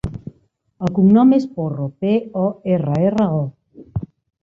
El cognom és Porro: pe, o, erra, erra, o.